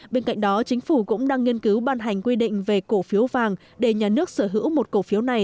bên cạnh đó chính phủ cũng đang nghiên cứu ban hành quy định về cổ phiếu vàng để nhà nước sở hữu một cổ phiếu này